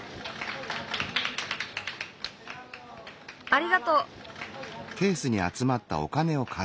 ありがとう！４２